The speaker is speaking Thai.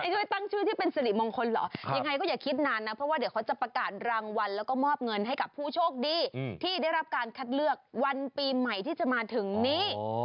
ช่วยตั้งชื่อที่เป็นสิริมงคลเหรอยังไงก็อย่าคิดนานนะเพราะว่าเดี๋ยวเขาจะประกาศรางวัลแล้วก็มอบเงินให้กับผู้โชคดีที่ได้รับการคัดเลือกวันปีใหม่ที่จะมาถึงนี้